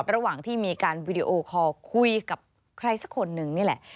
ระหว่างที่มีการวิดีโอคอลคุยกับใครสักคนนึงนี่แหละ